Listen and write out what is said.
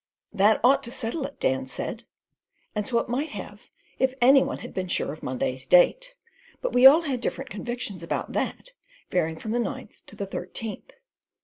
"That ought to settle it," Dan said; and so it might have if any one had been sure of Monday's date; but we all had different convictions about that, varying from the ninth to the thirteenth.